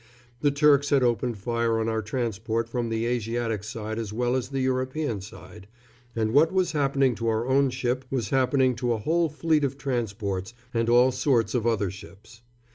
The Turks had opened fire on our transport from the Asiatic side as well as the European side, and what was happening to our own ship was happening to a whole fleet of transports and all sorts of other ships.